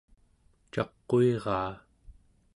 caquiraa